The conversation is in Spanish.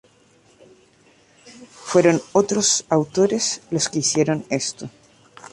Fueron otros autores los que hicieron esto.